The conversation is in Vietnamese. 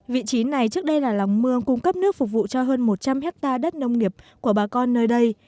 vị trí này trước đây là lòng mương cung cấp nước phục vụ cho hơn một trăm linh hectare đất nông nghiệp của bà con nơi đây